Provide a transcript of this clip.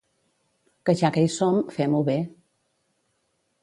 Que ja que hi som, fem-ho bé.